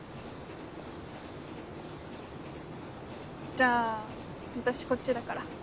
じゃあ私こっちだから。